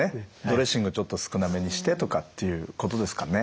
ドレッシングちょっと少なめにしてとかっていうことですかね。